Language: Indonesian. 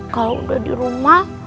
kalau udah di rumah